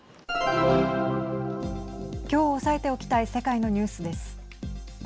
きょう押さえておきたい世界のニュースです。